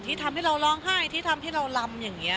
ที่ทำให้เราร้องไห้ที่ทำให้เรารำอย่างนี้